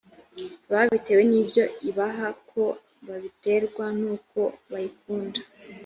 babitewe n ibyo ibaha ko batabiterwa n uko bayikunda